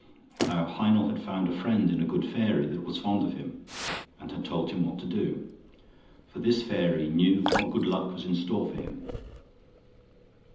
Now Heinel had found a friend in a good fairy, that was fond of him, and had told him what to do; for this fairy knew what good luck was in store for him.